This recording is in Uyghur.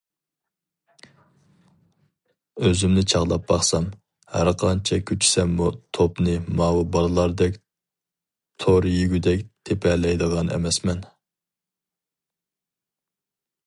ئۆزۈمنى چاغلاپ باقسام، ھەرقانچە كۈچىسەممۇ توپنى ماۋۇ بالىلاردەك تور يېگۈدەك تېپەلەيدىغان ئەمەسمەن.